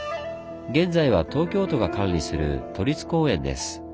現在は東京都が管理する都立公園です。